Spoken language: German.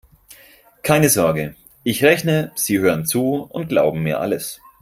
Keine Sorge: Ich rechne, Sie hören zu und glauben mir alles.